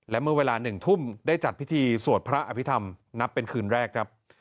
และเมื่อเวลา๑ทุ่มได้จัดพิธีสวดพระอภิษฐรรมนับเป็นคืนแรกครับ